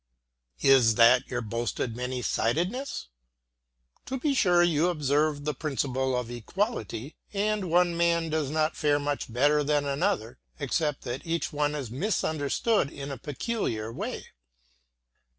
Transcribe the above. Is that your boasted many sidedness? To be sure you observe the principle of equality, and one man does not fare much better than another, except that each one is misunderstood in a peculiar way.